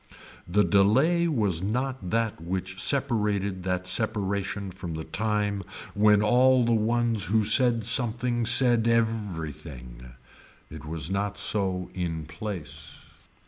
The delay was not that which separated that separation from the time when all the ones who said something said every thing. It was not so in place.